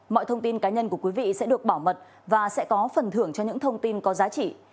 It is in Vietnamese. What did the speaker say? mọi thông tin cá nhân của quý vị sẽ được bảo mật và sẽ có phần thưởng cho những thông tin có giá trị